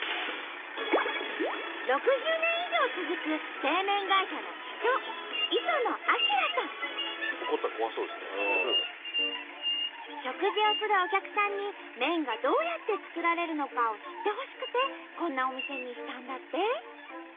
６０年以上続く食事をするお客さんに麺がどうやって作られるのかを知ってほしくてこんなお店にしたんだって。